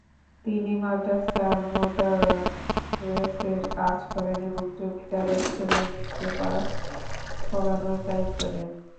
তিনি মাদ্রাসার মোদাররেসের কাজ করেন এবং জমিদারের ছেলে-মেয়েকে পড়ানোর দায়িত্ব নেন।